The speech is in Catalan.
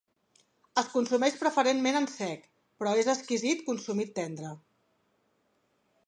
Es consumeix preferentment en sec, però és exquisit consumit tendre.